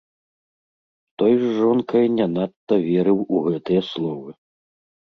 Той з жонкай не надта верыў у гэтыя словы.